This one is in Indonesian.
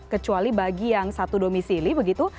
kecuali bagi yang satu domisili begitu